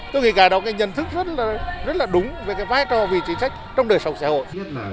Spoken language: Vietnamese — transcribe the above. tôi nghĩ cả đó cái nhận thức rất là đúng về cái vai trò vị trí sách trong đời sống xã hội